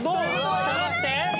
下がって。